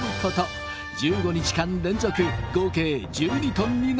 １５日間連続合計１２トンに上ります。